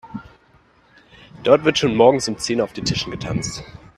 Dort wird schon morgens um zehn auf den Tischen getanzt.